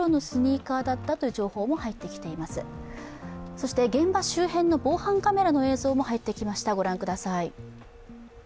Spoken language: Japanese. そして現場周辺の防犯カメラの映像も入ってきました。